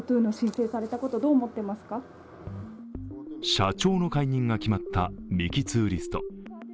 社長の解任が決まったミキ・ツーリスト。